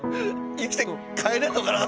生きて帰れんのかなって。